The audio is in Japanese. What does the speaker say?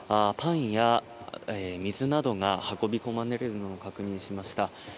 パンや水などが運び込まれてくるのを確認しました。